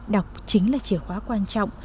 đọc chính là chìa khóa quan trọng